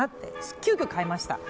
急きょ変えました。